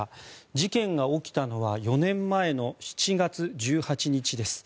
事件が起きたのは４年前の７月１８日です。